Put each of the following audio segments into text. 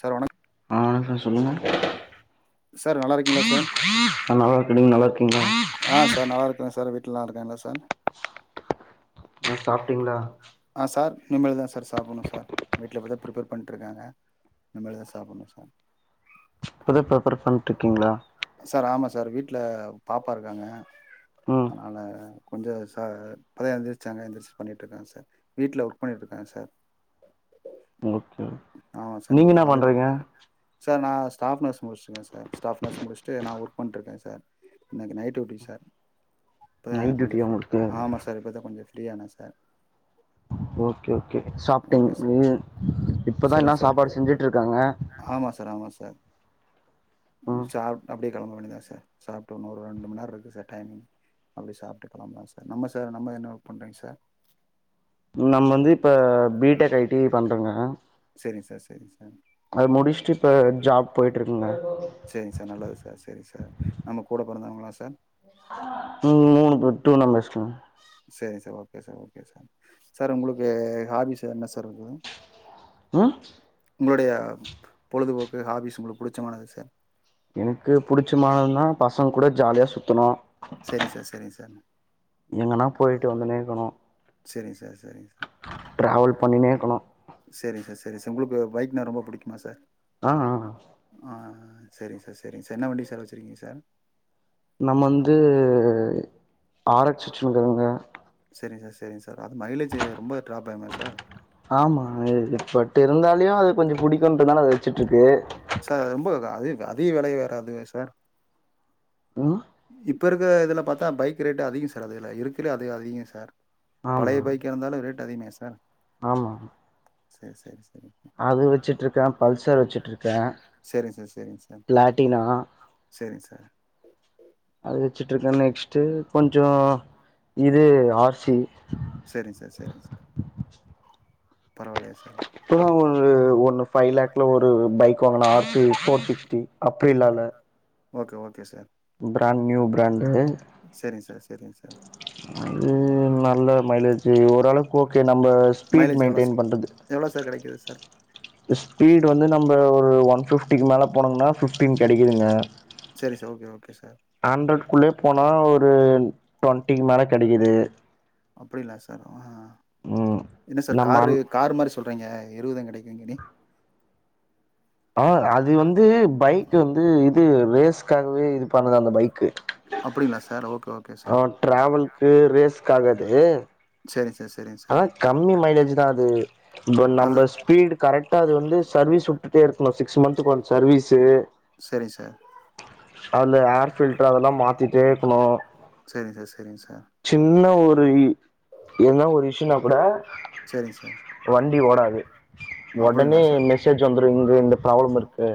Sir வணக் ஆ sir சொல்லுங்க சார் நல்லாருக்கீங்களா சார் ஆ நல்லா இருக்கீங்க நல்லா இருக்கீங்களா ஆ சார் நல்லாருக்கே சார் நல்லாருக்காங்க சார் அ சாப்ட்டீங்களா ஆ சார் இனிமேல்தா சார் சாப்பணு சார் வீட்ல இப்பதா ப்ரிப்பேர் பண்ணிட்ருக்காங்க இனிமேல்தா சாப்பணு சார் இப்போதா ப்ரிப்பர் பண்ணிட்ருக்கீங்களா சார் ஆமா சார் வீட்டுல பாப்பா இருக்காங்க ம் அதனால கொஞ்ச ச இப்போ தா எழுந்திரிச்சாங்க எந்திரிச்சு பண்ணிட்ருக்காங்க சார் வீட்டுல ஒர்க் பண்ணிட்ருக்காங் க சார் ஓகே ஓகே. ஆமா சார் நீங்க இன்னைக்கு என்ன ஹாலிடேய் பண்றீங்க சார் நா ஸ்டாஃப் நர்ஸ் முடிச்சிருக்கே சார் ஸ்டாப் நர்ஸ் முடிச் ஒர்க் பண்ணிட்டுருக்கே சார் எனக்கு நைட் டியுடி சார் இப்பதா நைட் கொஞ்ச டியூட்டியா ஃப் உங்களுக்கு ஆமா சார் இப்பதா கொஞ்ச ஃப்ரீயானே சார் ஓகே ஓகே சாப்புட்டிங் ஓகே கு சார் இப்போதா எல்லா சொல்லுங்க சார் சாப்பாடு செஞ்சுட்ருக்காங்க சார் ஆமா சார் ம் சாப்ட் அப்படியே கெளம்ப வேண்டியதுதா சார் சாப்ட்டு இன்னு ஒரு ரெண்டு மண்நேர இருக்கு சார் டைமிங் அப்டி சாப்ட்டு கெளம்புவே சார் நம்ம சார் நம்ம என்ன ஒர்க் பண்றீங்க சார் நம்ம வந்து இப்ப பிடெக் ஐ டி பண்றங்க சரிங்க சார் சரிங்க சார் போய்ட்ருக்கிங்க சரிங்க சார் நல்லது சார் சரி சார் நம்ம கூட பொறந்தவங்களா சார் ம் மூணு பேர் டூ தங்கச்சிங்க சரி sir okay sir okay sir sir உங்களுக்கு ஹாபி சார் என்ன சார் இருக்குது ஆ உங்களுடைய பொழுதுபோக்கு ஹாபிஸ் உங்களுக்கு புடிச்சமானது சார் எனக்கு புடிச்சமானது தா பசங்க கூட ஜாலியா சுத்தணு சரி சார் சரிங்க சார் எங்கன்னா போயிட்டு வந்துனேக்கணு சரிங்க சார் சரி டிராவல் பண்ணினே இருக்கணு சரிங்க சார் சரி சார் உங்களுக்கு பைக்னா ரொம்ப புடிக்குமா சார் ஆ ஆ ஆ சரிங்க சார் சரிங்க சார் என்ன வண்டி சார் வச்சுருக்கீங்க சார் நம்ம வந்து ஆர் ஹச் டூங்க சரிங்க சார் சரிங்க சார் அது மைலேஜு ரொம்ப ட்ராப் ஆகுமே சார் ஆமா பட் இருந்தாலியு அது கொஞ்ச புடிக்கும்ன்றனால அத வச்சுட்ருக்கு சார் ரொம்ப அது அதிக விலைய வராது சார் [unintelligible] இப்போ இருக்கிற இதில பாத்தா பைக் ரேட்டு அதிக சார் அதில இருக்குலையே அது அதிக சார் ஆமா பழைய பைக்கா இருந்தாலு ரேட் அதிகமே சார் ஆமா சரி சரி அது வச்சுட்ருக்கே பல்சர் வச்சுட்ருக்கே சரிங்க சார் பிளாட்டினா சரிங்க சார் சரிங்க சார் அது வச்சுட்ருக்கேன் நெக்ஸ்டு கொஞ்ச இது ஆர் சி செரிங் சார் செரிங் சார் பரவாயில்லையா சார் இப்பதா ஒரு ஒன்னு ஃபைவ் லாக்ல ஒரு பைக் வாங்கனார் போர் சிக்ஸ்டி அப்பேல்லால்ல okay okay sir brand new brand சரிங் சார் சரிங் சார் ம் நல்ல மைலேஜி ஓரளவுக்கு ஓகே நம்ம ஸ்பீட் மெயின்டெயின் பண்றது ர் ஸ்பீட் வந்து நம்ப ஒரு ஒன் ஃபிப்டிக்கு மேல போனுங்கன்னா ஃபிப்டீன் கெடைக்குதுங்க சரி சார் ஓகே ஓகே சார் ஹண்ட்ரட்குள்ளே போனா ஒரு ன் ட்வென்டிக்கு மேல கெடைக்குது அப்டிங்லா சார் ஆ ம் என்ன சார் நம்ம காரு அன் கார் மாரி சொல்றீங்க இருவது கெடைக்குங்க நீ ஆ அது வந்து பைக் வந்து இது ரேஸ்காகவே இதுப் அப்டிங்களா சார் ஓக்கே ஓ ஆ ட்ராவல்க்கு ரேஸ்க்காக அது சரிங்க சார் சரிங்க சார் அதா கம்மி மைலேஜ்லதா அது இப்ப அது நம்ம ஸ்பீட் கரெக்டா அது வந்து சர்வீஸ் உட்டுட் டே இருக்கணு சிக்ஸ் மந்துக்கு ஒன்ஸ் சர்வீஸு சரி சார் அதுல ஹேர் பில்டர் அதெல்லா மாத்திட்டே இருக்கணு சரிங் சார் சரிங்க சார் சின்ன ஒரு என்னா ஒரு இஷ்யூன்னாக் கூட சரிங் சார் டி ஓடாது அப்டிங்களா உடனே சார் மெசேஜ் வந்துரு இங்க இந்த பராப்ளம் இருக்கு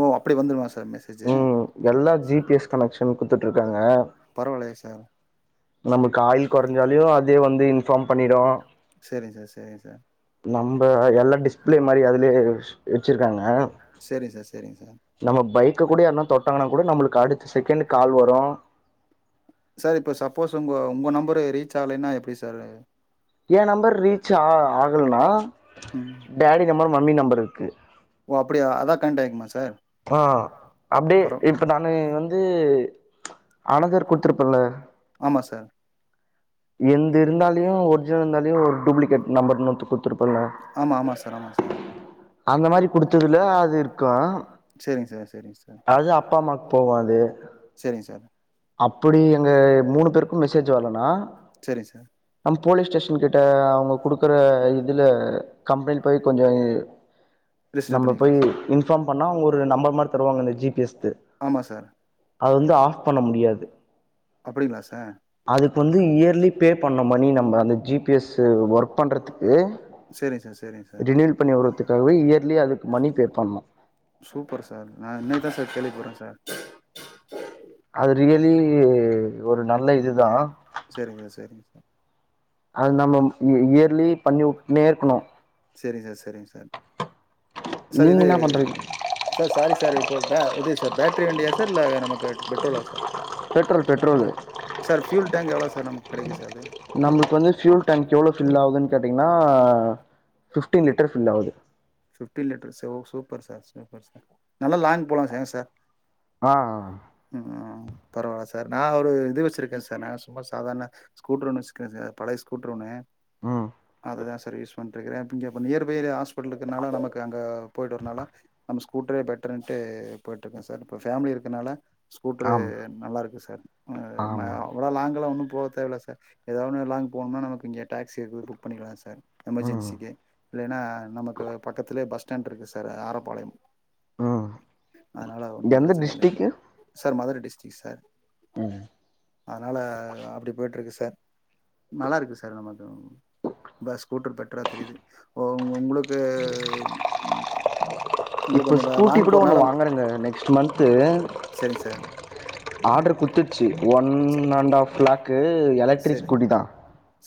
ஓ அப்டி வந்துருமா சார் மெஸ் ம் எல்லா ஜி பி எஸ் கனெக்ஷன் குடுத்துட்ருக்காங்க பரவால்லயே சார் நமக்கு ஆயில் கொறைஞ்சாலியு அதே வந்து இன்ஃபார்ம் பண்ணிடு சரிங் சார் சரிங் சார் நம்ப எல்லா டிஸ்பிளே மாரி அததுலயே வச்சுருக்காங்க சரிங் சார் சரிங் சார் கக்கூடியே யார்னா தொட்டங்கன்னா கூட நம்மளுக்கு அடுத்த செகண்ட் கால் வரு சார் இப்ப சப்போஸ் உங்க உங்க நம்பரு ரீச் ஆலைன்னா எப்படி சார்ரு ஏ நம்பர் ரீச் ஆ ஆகலன்னா ம் டேடி நம்பர் மம்மி நம்பர் இருக்கு ஓ அப்படியா அதா கனெக்ட் ஆகிக்குமா சார் ஆ அப்டியே பரவா இப்ப நானு வந்து அனதர் குடுத்திருப்பல்ல ஆமா சார் எந்து இருந்தாலியு ஒரிஜினல் இருந்தாலியு ஒரு டூப்ளிகேட் நம்பர்னு குடுத்து ஆமா ஆமா சார் ஆமா சார் அந்த மாரி குடுத்ததுல அது இருக்கு சேரிங்க சார் சேரிங்க சார் அது அப்பா அம்மாக் போவாது சேரிங்க சார் அப்டி எங்க மூணு பேருக்கும் மெசேஜ் வரலண்ணா சரிங் சார் போலீஸ் ஸ்டேஷன் கிட்ட அவுங்க குடுக்குற இதுல கம்ளெய்ன் போய் கொஞ்சம் இ ரிஜிஸ்டர் நம்ம போய் பண்ணிக்கலாம் சார் இன்ஃபாம் பண்ணா அவங்க ஒரு நம்பர் மாரி தருவாங்கல்ல ஜி பி எஸ் ஆமா சார் அது வந்து ஆஃப் பண்ண முடியாது அப்டிங்களா சார் அதுக்கு வந்து இயர்லி பே பண்ணு மணி நம்ம அந்த இத் ஜி பி எஸ் ஒர்க் பண்றதுக்கு சேரிங்க சார் சேரிங்க சார் ரினியூல் பண்ணி உருறதுக்காகவே இயர்லி அது மணி பே பண்ணு சூப்பர் சார் நா இன்னைதா சார் கேள்விபட்றே சார் அது ரியலி ஒரு நல்ல இதுதா சேரிங்க சார் சேரிங்க சார் அது நம்ம இ இயர்லி பண்ணிவுட்னே இருக்கணு சரிங் சார் சா சரி சார் சார் நீங்க இது என்ன பண்றீங்க சார் சாரி சார் இப்போ அ இது சார் பேட்ரி வண்டியா சார் இல்ல நமக்கு பெட்ரோலா sir petrol petrol sir fuel tank எவ்வளோ சார் நமக் நம்மளுக்கு வந்து ஃபுயூல் டேங்க் எவ்ளோ ஃபில் ஆகுதுன் கேட்டீங்கன்னா ஃபிஃப்டீன் லிட்டர் ஃபில் ஆகுது பிப்டி லிட்டர் ச ஓ சூப்பர் சார் சூப்பர் சார் நல்ல லாங் போலா சங்க சார் ஆ பரவால்ல சார் நான் ஒரு இது வச்சிருக்கே சார் நா சும்மா சாதாரண ஸ்கூட்ரு ஒன்னு வச்சிருக்கே சார் பழைய ஸ்கூட்ரு ஒன்னு ம் அதா சார் யூஸ் பண்ணிட்ருக்குறே இங்க நியர் பை தா சார் ஹாஸ்பிடல்லு னால நமக்கு அங்க போயிட்டு வரனால நம்ம ஸ்கூட்டரே பெட்டர்ட்டுன்ட்டு போயிட்டு இருக்க சார் இப்ப பேமிலி இருக்கனால ஸ்கூட்ரு ஆம் நல்லாருக்கு சார் ஆமா அவ்ள லாங்க்ல்லா ஒண்ணு போத் தேவல சார் எதாவது லாங் போனும்னா நமக்கு டாகஸிக்குது புக் பண்ணிக்கலா சார் ம் எமர்ஜென்சிக்கு இல்லைனா நமக்கு கத்துலயே பஸ் ஸ்டாண்ட் இருக்கு சார் ஆரப்பாளையம் ம் அதனாலா ஒன்னு எந்த பிரச்சனை இல்ல டிஸ்ட்ரிக்கு சார் மதுரை டிஸ்டரிக் சார் அதனால அப்டி போயிட்ருக்கு ச ச நல்லாருக்கு சார் நமது ப ஸ்கூட்டர் பெட்டரா தெரியுது ஓ உங்களுக்கு உங்களுக்கு இப்போ அந்த ஸ்கூட்டி லாங் கூட ஒன்னு போறனால வாங்குறேங்க நெக்ஸ்ட்டு மந்த்து சரிங்க சார் ஆடர் குடுத்துடுச்சு ஒன் அண்ட் ஆப் லாக் க்கு எலக்ட்ரிக் சரி ஸ்கூட்டி தா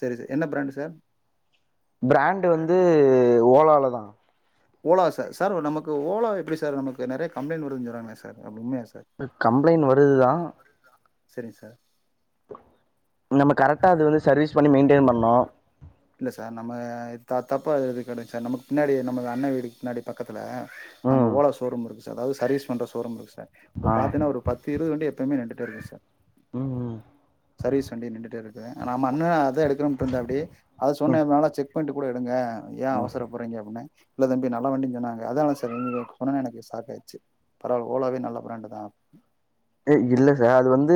சரி சார் என்ன பிராண்டு சார் பிராண்டு் வந்து ஓலால தா ஓலா சார் சார் நமக்கு ஓலா எப்டி சார் நமக்கு நெறைய கம்ப்ளைண்ட் வருதுன் சொல்றாங்களே சார் அது உண்மையா சார் எ கம்ப்ளைண்ட் வருதுதா சரிங்க சார் நம்ம கரெக்டா அது வந்து சர்வீஸ் பண்ணி மெயின்டென் பண்ணு இல்ல சார் நம்ம த தப்ப இது கடை சார் நமக்கு பின்னாடி நம அண்ண வீடுக்கு பின்னாடி பக்கத்துல அங்க ம் ஓலோ ஷோரூம் இருக்கு அதாவது சர்வீஸ் பண்ற சோரூம் இருக்கு சார் இப்ப ஆ பாத்தன்ன ஒரு பத்து இருவது வண்டி எப்பவுமே நிண்டு ட்டுருக்கு சார் ம் சர்வீஸ் வண்டி நின்றுட்டே இருக்கு நம்ம அண்ண அத எடுக்கணு இருந்தாப்டி அத சொன்னே ம் நல்லா செக் புக் பண்ட்டு கூட எடுங்க ஏ ம் அவசர பறீங்க அப்டின்னே இல்ல தம்பி நல்லா வண்டி சொன்னங்க அதனால சார் ஒடனே எனக்கு ஸ் பாத்தச்சு பரவல ஓலாவே நல்ல பிராண்டுதா ஏ இல்ல சார் அது வந்து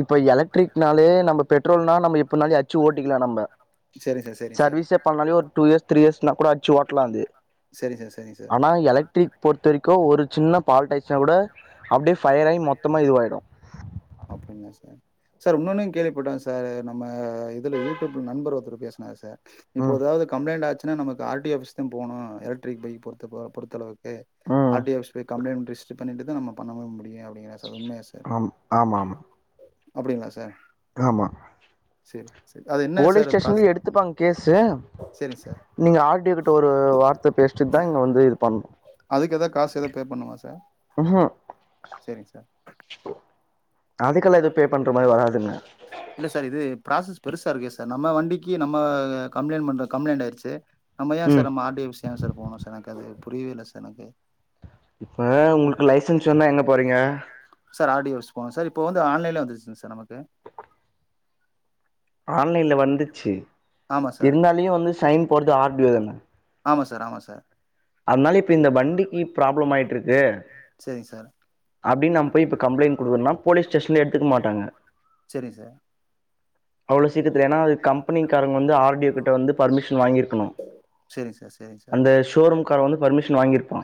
இப்ப எலக் எக்ட்ரிகனாலே நம்ம பெட்ரோல்ன்னா நா எப்போனாலு அச்சு ஓட்டிக்கலா நம்ம சேரிங் சார் சேரிங் சார் சர்வீஸே பண்ணாலே ஒரு டூ இயர்ஸ் த்ரீ இயர்ஸ்னா கூட அச்சு ஓட்டலா இது சரி சார் சரிங்க சார் ட்ரிக் பொறுத்த வரைக்கு ஒரு சின்ன பால்டைஸ்னா கூட அப்படியே ஃபயர் ஆகி மொத்தமா இதுவாயிடு அப்படிந்தா சார் சார் உன்னொன்னு கேள்விப்பட்டே சார் நம்ம இதுல யூடியூப்ல நண்பர் ஒருத்தர் பேசுனாரு சார் இப்போ ம் ஏதாவது கம்ப்ளைண்ட் ஆச்சு ஏன்னா நமக்கு ஆர் டி ஆஃபிஸ் தா போகும் எலக்ட்ரிக் பைக் பொறுத்த பொ பொறுத்தளவுக்கு ம் ஆர் டி ஆபிஸ் போய் கம்ளைண்ட் ரிஸ்டர் பண்ணிட்டுதா நம்ம பண்ணவே முடியு அப்டிங்கிறாரு அம் ஆமா ஆமா அப்படிங்களா சார் ஆமா சேரி சேரி அது என்ன போலீஸ் சார் ப்ராஸ் ஸ்டேஷன்ல எடுத்துப்பாங்க கேசு சேரிங் சார் நீங்க ஆர் டி யோ கிட்ட ஒரு வார்த்தை பேசிட்டுதா இங்க வந்து இது பண்ணணு அதுக்கு எதாவது காசு எது பே பண்ணுமா சார் ம்ஹூம் செரிங்க சார் [unintelligible] பே பண்ற மாரி வராது இல்ல சார் இது ப்ராசஸ் பெருசா இருக்கே சார் நம்ம வண்டிக்கு நம்ம கம்ளைண்ட் பண்ற கம்ளைண்ட் ஆயிருச்சு நம்ம ஏ ம் சார் நம்ம ஆர்டியோ ஆஃபிஸ் ஏ சார் போகணு சார் எனக்கு அது புரியவே இல்ல சார் எனக்கு இப்ப உங்களுக்கு லைசன்ஸ் வேணுனா எங்க போறீங்க சார் ஆர்டியோ ஆஃபிஸ் போணு சார் இப்ப வந்து ஆன்லைன்ல வந்துச்சுங்க சார் நமக்கு ஆன்லைன்ல வந்துச்சு ஆமா சார் இருந்தாலியு வந்து சைன் போடுது ஆர்டியோ தானே ஆமா சார் ஆமா சார் [inaudible] [inaudible] இப்ப இந்த வண்டிக்கு ப்ராப்ளம் செரிங்க சார் அப்டினு நம்ம போய் கம்ளைண் குடுறதுனா போலீஸ் ஸ்டேசன்லே எடுத்துக்க மாட்டாங்க செரிங்க சார் அவ்ளோ சீக்கிரத்தில ஏனா கம்பெனிக்காரவங்க வந்து ஆர்டியோ கிட்ட வந்து பர்மிஷ் வாங்கியிருக்கணு சேரிங் சார் சேரிங் சார் அந்த ஷோரூம்கார வந்து பர்மிஷன் வாங்கியிருப்பா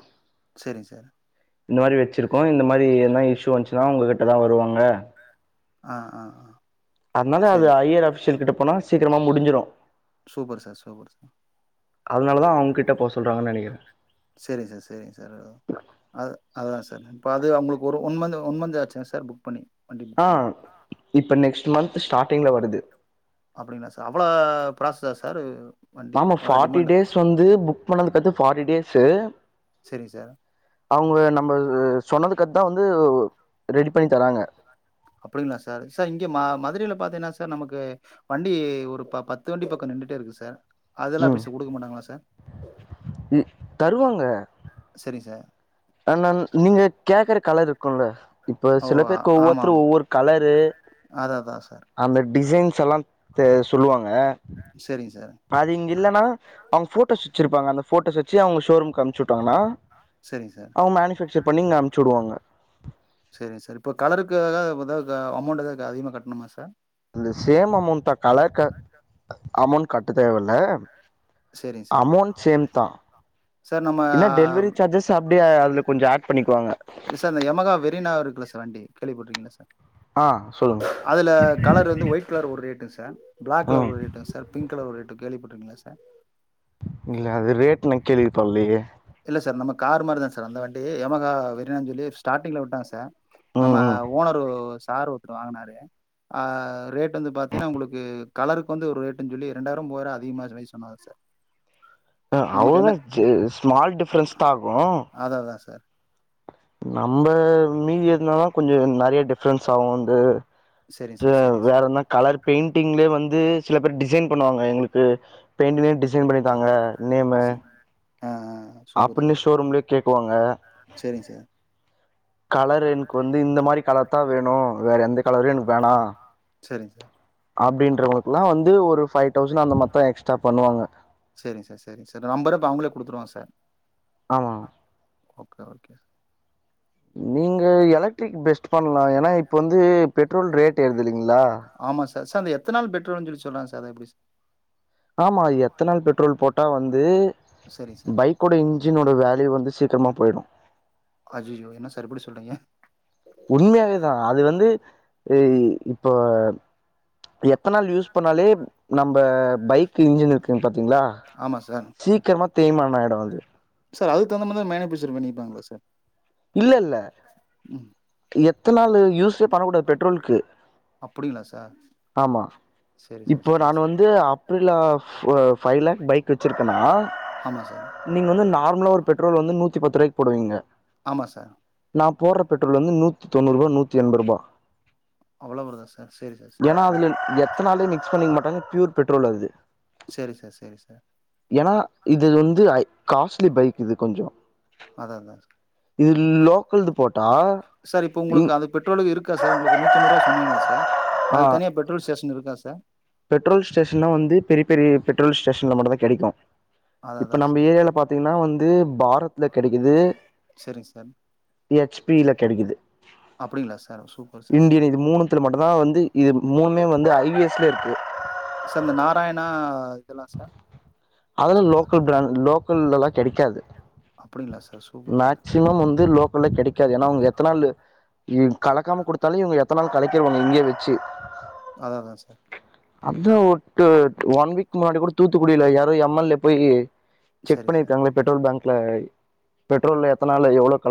செரிங்க சார் இந்த மாரி வச்சிருக்கோ இந்த மாரி எதுனா இஷ்யூ வன்ச்சுனா உங்ககிட்டதா வருவாங்க ஆஹ் ஆஹ் அதனால அது ஐ அர் அஃபிசியல் கிட்ட போனா சீக்கிரமா முடிஞ்சிடு சூப்பர் சார் சூப்பர் சார் அதனாலதா அவங்கிட்ட போ சொல்றாங்கனு நெனைக்கிறே செரிங்க சார் செரிங்க சார் அ அத சார் இப்போ அது அவங்ளுக்கு ஒரு ஒன் மந்த் ஒன் மந்த் ஆச்சா சார் புக் பண்ணி வண்டி புக் பண்ணி ஆஹ் இப்ப நெக்ஸ்ட் மந்த் ஸ்டாட் அப்டிங்களா சார் அவ்ளோ ப்ராசஸ் சார் வண்டி ஆமா அவ்வளோ ஃபாட்டி டிமாண்டு டேஸ் வந்து புக் பண்ணதுக்கத்து பாட்டி டேஸ்சு சரிங்க சார் அவங்க நம்ம சொன்னதுக் கு தா வந்து ரெடி பண்ணி தராங்க அப்டிங்களா சார் சார் இங்க மதுரயில பாத்தீங்கன்னா சார் நமக்கு வண்டி ஒரு பத்து வண்டி பக்கோ நி ன்னுடே இருக்கு சார் அதெல்லா எப்டி ம் சார் குடுக்க மாட்டாங்களா சார் இ தருவாங்க சரிங்க சார் ஆ நன் நீங்க கேக்குற கலர் இருக்குல்ல இப்போ ஓ சில பேருக்கு ஆமா ஒவ்வொருத்தரு ஆமா ஒவ்வொரு கலரு அதான் அதான் சார் அந்த டிசைன்ஸ்லா தே சொல்லுவாங்க செரிங்க சார் இல்லனா அவங்க போட்டோஸ் வச்சிருப்பாங்க அந்த போட்டோஸ் வச்சு அவங்க ஷோரூக்கு அம்ச்வுட்டர்லா சரிங்க சார் அவங்க மேனுஃபேக்சர் பண்ணி இங்க அம்ச்சு வுடுவாங்க செரிங்க சார் இப்போ கலருக்கு ஏதாவது ஏத அமௌண்ட் ஏதாவது அதிகமாக கட்ணுமா சார் இது சேம் அமௌண்த கலர் க அமௌண்ட் கட்ட தேவ இல்ல சரிங்க சார் அமௌண்ட் சேம் தா சார் நம்ம என்ன டெலிவரி சார்ஜஸ் அப்டி கொஞ்சோ ஆட் பண்ணிக்குவாங்க சார் யமகா வெரினா இருக்குல்ல சார் வண்டி கேள்விப்பட்டிருக்கீங்களா சார் ஆ சொல்லுங்க அ அதுல கலர் வந்து ஒயிட் கலர் ஒரு ரேட்டு சார் பிளாக் கலர் ம் ஒரு ரேட்டுங்க சார் பிங்க் கலர் ஒரு ரேட்டு கேள்விப்பட்டுருங்களா சார் இல்ல அது ரேட் கேள்விப்பல்லேயே இல்ல சார் நம்ம கார் மாரி தா சார் அந்த வண்டி எமாகா வெரினானு சொல்லி ஸ்டாடிங்ல விட்டாங்க சார் நம்ம ம் ம் ஓனர்ரு சார் ஒருத்த வாங்கனாரு ஆஹ் ரேட்டு வந்து பாத்தீன்னா உங்ளுக்கு கலருக்கு வந்து ஒரு ரேட்னு சொல்லி ரெண்டாயிரோ மூவாயிரம் அதிகமா சொன்னாங்க சார் [inaudible] ஹ நமக்கு என்ன அவ்ளோதா ஸ்மால் டிஃரென்ஸ் தா ஆகு அதான் அதான் சார் நம்ப மீதி இருந்தாத கொஞ்சோ நெறைய டிஃப்ரன்ஸ் ஆகு வந்து சரிங்க சார் [unintelligible] சரிங்க வேற சார் என்னா கலர் பெயிண்டிங்லே வந்து சில பேர் டிசைன் பண்ணுவாங்க எங்ளுக்கு பெயிண்டிங்லே டிசைன் பண்ணி தாங்க நேமு ஆ ஆ சூப்பர் அப்டின்னு சார் ஷோரூம்லயே கேக்குவாங்க சரிங்க சார் கலர் எனக்கு வந்து இந்த மாரி கலர் தா வேணு வேற எந்த கலர்ரு எனக்கு வேணா சேரிங் அப்டின்றவங்களுக்குலா வந்து ஒரு ஃபைவ் தௌசண்ட் அந்த மத்தா எக்ஸ்ட்ரா பண்ணுவாங்க சேரிங்க சார் சேரிங்க சார் நம்பரு அப்ப அவங்களே குடுத்துருவாங் சார் ஆமா ஓகே ஓகே நீங்க எலக்ட்ரிக் பெஸ்ட் பண்லா ஏன்னா இப்ப வந்து பெட்ரோல் ரேட் ஏறுதுதில்ங் ளா ஆமாம் சார் எத்தனால் பெட்ரோல்ன்னு சொல்லி சொன்னாங்க சார் அது எப்டி ஆமா எத்தனால் பெட்ரோல் போட்டா வந்து சார் சரிங்க சார் பைக்கோட இன்ஜினோட வே ல்யூ வந்து சீக்கிரமா போயிடு அஜிஜோ என்ன சார் இப்டி சொல்றீங்க உண்மையாவேதா அது வந்து இப்ப எத்தனால் யூஸ் பண்ணாலே நம்ப பைக் இன்ஜின் இருக்குங் பாத்தீங்களா ஆமாம் சார் சீக்கிரமா தேய்மான ஆயிடு அது சார் அது தகுந்தமாரி மேனிபேச்சர் பண்ணிப்பாங்களா சார் இல்ல இல்ல ம் எத்தனால் யூஸ்சே பண்ணக்க கூடாது பெட்ரோல்கு அப்டிங்களா சார் ஆமா சேரி சார் இப்போ சேரி நான் சார் வந்து அப்ரிலாப் பு ஃபைவ் லக் பைக் வச்சிருக்கனா ஆமா சார் நீங்க வந்து நார் இன்னோர் ஒரு பெட்ரல் வந்து நூத்தி பத்து ரூாய்க் போடுவிங்க பா சார் நா போடற பெட்ரோல் வந்து நூத்தி தொண்ணூறுபா நூத்தி எண்பது ரூபா அவ்வளோ வருதா சார் சேரி சார் சேரி ஏன்னா சார் அதுல எத்தனாலே மிக்ஸ் பண்ணிக்க மாட்டாங்க ப்யூர் பெட்ரோல் அது சேரி சார் சேரி சார் ஏன்னா இது வந்து காஸ்ட்லி பைக் இது கொஞ்ஜோ அத அதா இதுல் லோக்கல்தூ போட்டா சார் இப்ப இ உங்களுக்கு அது பெட்ரோல் இருக்கா சார் உங்களுக்கு நூத்திண்ணறு ரூவா சொன்னீங்களா சார் ஆ அது தனியா பெட்ரோல் ஸ்டேஷன் இருக்கா சார் பெட்ரோல் ஸ்டேஷன்னா வந்து பெரிய பெரிய பெட்ரோல் ஸ்டேஷன்ல மட்டுந்தா கெடைக்கு அதா இப்ப அதா நம்ம சார் ஏரியாலே பாத்தீங்கன்னா வந்து பாரத்ல கெடைக்குது சேரிங்க சார் ஹச் பில கேடைக்குது அப்டிங்களா சார் சூப்பர் சார் இண்டியன் இது மூணத்துல மட்டுந்தா வந்து இது மூணுமே வந்து ஐ வி எஸ்ல இருக் சார் இந்த நாராயணா இதெல்லா சார் அதெல்லா லோக்கல் பிராண்ட் லோக்கல்ல லா கெடைக்காது அப்டிங்களா சார் சூப்பர் சார் மேக்சிமம் வந்து லோக்கல்ல கெடைக்காது ஏன்னா அவங்க எத்தனால் ம் கலக்காம கொடுத்தாலு இவங்க எத்தனால் கலக்கிறவாங்க இங்கே வச்சு அத அதா சார் அதா ஒட்டு ஒன் வீக் முன்னாடி கூட தூத்துக்குடியில யாரோ எம் எல் ஏ போய்யி செக் சேரிங்க சார் பண்ணிருக்காங்கள பெட்ரோல் பேங்க்ல பெட்ரோல் எத்தனால் எவ்வளவு கலந்து